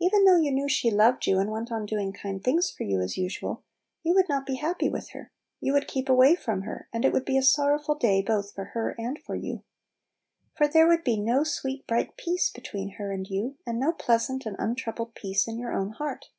Even though you knew she loved you and went on doing kind things for you as usual, you would not be happy with her; you would keep away from her, and it would be a sorrowful day both for her and for you. For there would be no sweet, bright peace between her and you, and no pleasant and untroubled peace in your own heart.